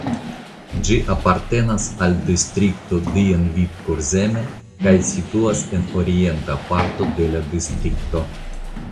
Ĝi apartenas al distrikto Dienvidkurzeme kaj situas en orienta parto de la distrikto.